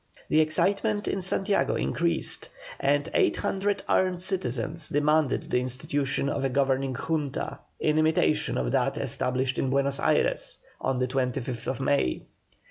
The excitement in Santiago increased, and eight hundred armed citizens demanded the institution of a governing Junta, in imitation of that established in Buenos Ayres on the 25th May.